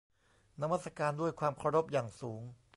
นมัสการด้วยความเคารพอย่างสูง